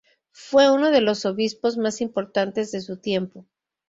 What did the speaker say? Fue uno de los obispos más importantes de su tiempo.